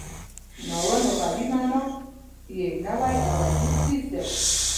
ناول لغوي معنا یې نوی او عجیبه څیز دی.